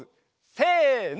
せの！